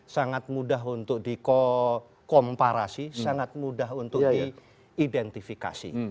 sangat mudah untuk dikomparasi sangat mudah untuk diidentifikasi